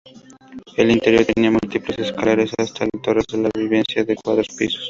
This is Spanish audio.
El interior tenía múltiples escaleras hasta las torres de la vivienda de cuatro pisos.